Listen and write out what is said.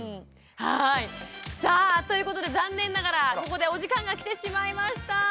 はいさあということで残念ながらここでお時間が来てしまいました。